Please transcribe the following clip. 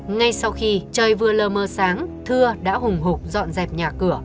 ngay sau khi trời vừa lờ mơ sáng thừa đã hùng hục dọn dẹp nhà cửa